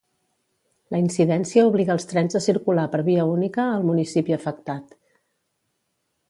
La incidència obliga els trens a circular per via única al municipi afectat.